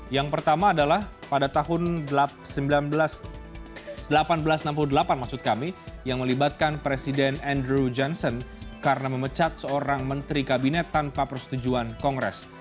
yang pertama adalah pada tahun seribu delapan ratus enam puluh delapan maksud kami yang melibatkan presiden andrew johnson karena memecat seorang menteri kabinet tanpa persetujuan kongres